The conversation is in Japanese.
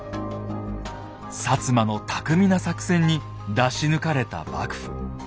摩の巧みな作戦に出し抜かれた幕府。